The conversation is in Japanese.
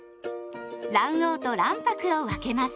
卵黄と卵白を分けます。